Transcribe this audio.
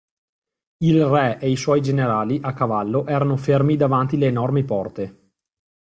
Il Re e i suoi generali, a cavallo, erano fermi davanti le enormi porte.